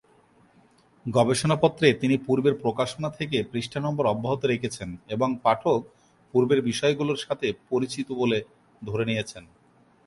গবেষণাপত্রে তিনি পূর্বের প্রকাশনা থেকে পৃষ্ঠা নম্বর অব্যাহত রেখেছেন এবং পাঠক পূর্বের বিষয়গুলোর সাথে পরিচিত বলে ধরে নিয়েছেন।